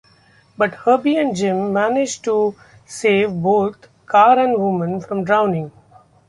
But Herbie and Jim manage to save both car and woman from drowning.